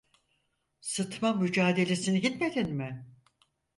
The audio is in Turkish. Sıtma Mücadelesi'ne gitmedin mi?